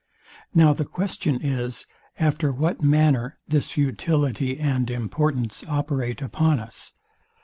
Now the question is, after what manner this utility and importance operate upon us?